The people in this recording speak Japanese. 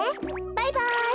バイバイ！